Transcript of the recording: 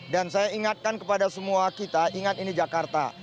dan saya ingatkan kepada semua kita ingat ini jakarta